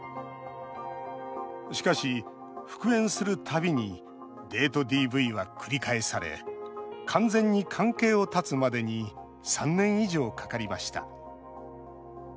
しかし、復縁するたびにデートＤＶは繰り返され完全に関係を断つまでに３年以上かかりました